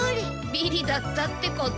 ビリだったってこと？